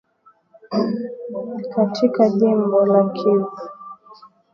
katika jimbo la Kivu kaskazini baada ya kiza kuingia siku ya Jumapili